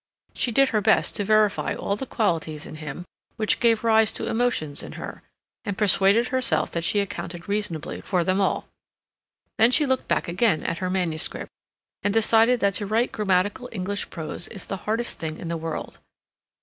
She did her best to verify all the qualities in him which gave rise to emotions in her; and persuaded herself that she accounted reasonably for them all. Then she looked back again at her manuscript, and decided that to write grammatical English prose is the hardest thing in the world.